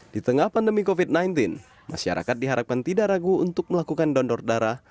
di tengah pandemi covid sembilan belas masyarakat diharapkan tidak ragu untuk melakukan donor darah